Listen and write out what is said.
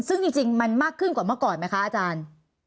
ซึ่งจริงมันมากขึ้นกว่าเมื่อก่อนไหมคะอาจารย์